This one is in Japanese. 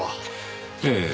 ええ。